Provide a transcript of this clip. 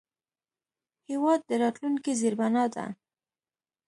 هېواد د راتلونکي زیربنا ده.